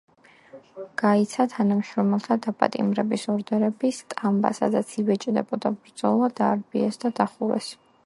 გაიცა თანამშრომელთა დაპატიმრების ორდერები, სტამბა, სადაც იბეჭდებოდა „ბრძოლა“ დაარბიეს და დახურეს.